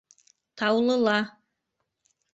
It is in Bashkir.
Таулыла.